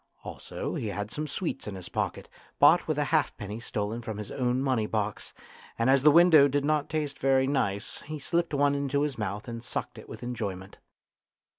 Also he had some sweets in his pocket, bought with a halfpenny stolen from his own money box, and as the window did not taste very nice he slipped one into his mouth and sucked it with enjoyment.